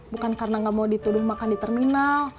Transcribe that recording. bukan karena nggak mau dituduh makan di terminal